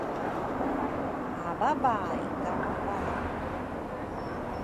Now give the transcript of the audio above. ababay kavay